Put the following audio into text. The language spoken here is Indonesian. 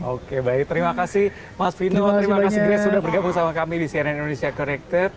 oke baik terima kasih mas vino terima kasih grace sudah bergabung sama kami di cnn indonesia connected